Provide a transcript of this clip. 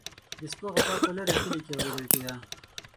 د سپو غپا په لرې کلي کې اوریدل کیده.